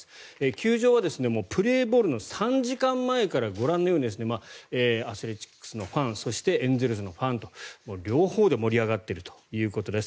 球場はプレーボールの３時間前からご覧のようにアスレチックスのファンそしてエンゼルスのファンと両方で盛り上がっているということです。